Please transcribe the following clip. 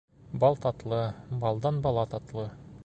Бал татлы, балдан бала татлы.